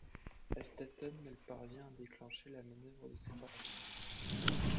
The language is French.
Elle tâtonne, mais parvient à déclencher la manœuvre de séparation.